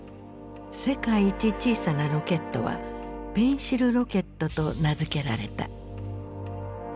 世界一小さなロケットはペンシルロケットと名付けられた。